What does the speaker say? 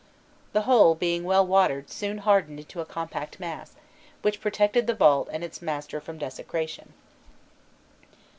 The whole, being well watered, soon hardened into a compact mass, which protected the vault and its master from desecration.